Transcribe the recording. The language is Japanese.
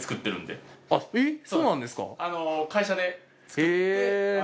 そうなんですか。